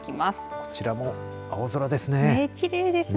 こちらも青空ですね。